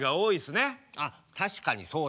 あっ確かにそうだね。